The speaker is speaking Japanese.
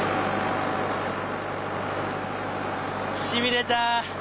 しびれた。